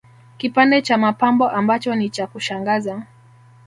Kipande cha mapambo ambacho ni cha kushangaza